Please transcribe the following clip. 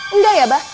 engga ya bah